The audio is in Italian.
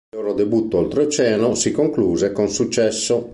Il loro debutto oltreoceano si concluse con successo.